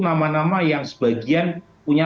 nama nama yang sebagian punya